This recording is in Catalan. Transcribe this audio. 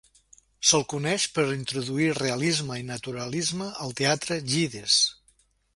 S'el coneix per introduir realisme i naturalisme al teatre Yiddish.